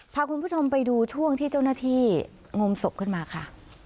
พาคุณผู้ชมไปดูช่วงที่เจ้าหน้าที่งมศพขึ้นมาค่ะ